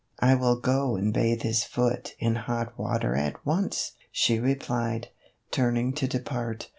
"I will go and bathe his foot in hot water at once," she replied, turning to depart.